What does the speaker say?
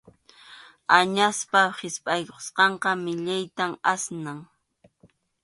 Añaspa hispʼaykusqanqa millayta asnan.